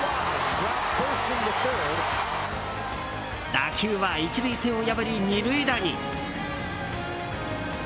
打球は１塁線を破り２塁打に。